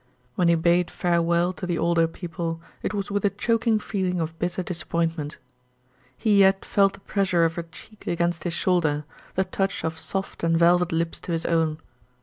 When he bade farewell to the older people it was with a choking feeling of bitter disappointment. He yet felt the pressure of her cheek against his shoulder, the touch of soft and velvet lips to his own.